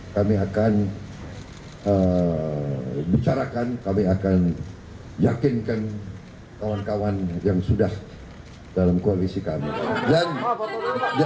kami akan bicarakan kami akan yakinkan kawan kawan yang sudah dalam koalisi kami